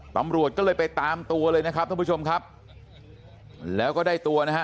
ตำรวจก็เลยไปตามตัวเลยนะครับท่านผู้ชมครับแล้วก็ได้ตัวนะฮะ